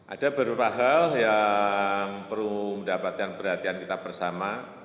ada beberapa hal yang perlu mendapatkan perhatian kita bersama